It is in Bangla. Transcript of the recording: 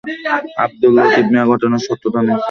আবদুল লতিফ মিয়া ঘটনার সত্যতা নিশ্চিত করেছেন।